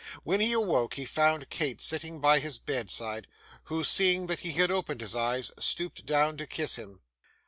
When he awoke, he found Kate sitting by his bedside, who, seeing that he had opened his eyes, stooped down to kiss him.